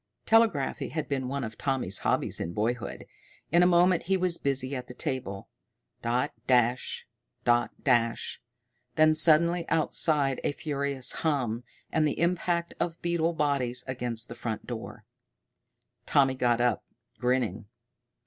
Telegraphy had been one of Tommy's hobbies in boyhood. In a moment he was busy at the table. Dot dash dot dash! Then suddenly outside a furious hum, and the impact of beetle bodies against the front door. Tommy got up, grinning.